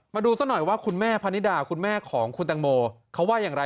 มาดูซะหน่อยว่าคุณแม่พนิดาคุณแม่ของคุณตังโมเขาว่าอย่างไร